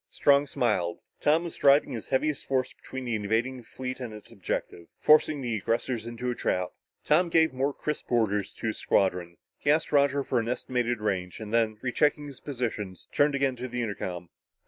Strong smiled. Tom was driving his heaviest force between the invading fleet and its objective forcing the aggressors into a trap. Tom gave more crisp orders to his squadrons. He asked Roger for an estimated range, and then, rechecking his position, turned again to the intercom.